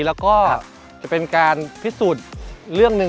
แล้วก็จะเป็นการพิสูจน์เรื่องหนึ่ง